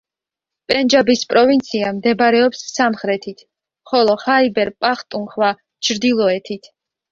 პენჯაბის პროვინცია მდებარეობს სამხრეთით, ხოლო ხაიბერ-პახტუნხვა ჩრდილოეთით.